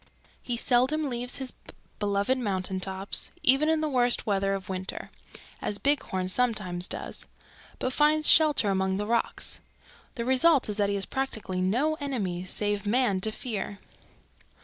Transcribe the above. He seldom leaves his beloved mountain tops, even in the worst weather of winter, as Bighorn sometimes does, but finds shelter among the rocks. The result is that he has practically no enemies save man to fear.